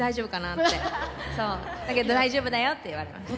だけど大丈夫だよって言われました。